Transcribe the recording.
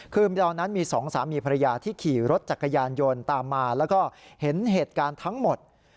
คือตอนนั้นมีสองสามีภรรยาที่ขี่รถจักรยานยนต์ตามมาแล้วก็เห็นเหตุการณ์ทั้งหมด